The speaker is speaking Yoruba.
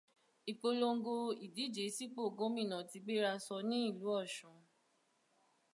Ìpolongo ìdíje sípò gómínà ti gbéraṣo ní ìlú Ọ̀ṣun.